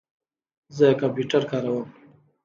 زه کمپیوټر کاروم